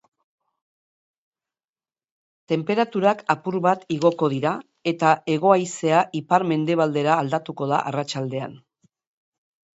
Tenperaturak apur bat igoko dira, eta hego haizea ipar-mendebaldera aldatuko da arratsaldean.